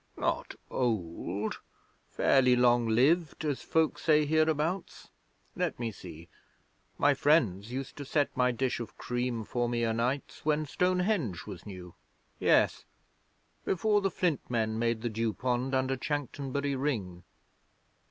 'Not old fairly long lived, as folk say hereabouts. Let me see my friends used to set my dish of cream for me o' nights when Stonehenge was new. Yes, before the Flint Men made the Dewpond under Chanctonbury Ring.'